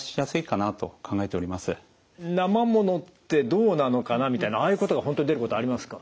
なまものってどうなのかなみたいなああいうことが本当に出ることありますか？